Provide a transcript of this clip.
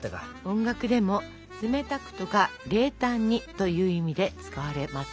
音楽でも「冷たく」とか「冷淡に」という意味で使われますよ。